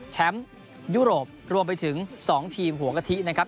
แชมป์ยุโรปรวมไปถึง๒ทีมหัวกะทินะครับ